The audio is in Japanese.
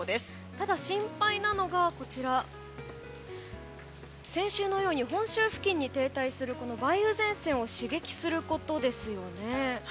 ただ、心配なのが先週のように本州付近に停滞する梅雨前線を刺激することですよね。